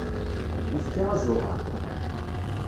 Ifka azuɣer.